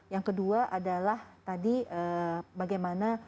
yang kedua adalah tadi bagaimana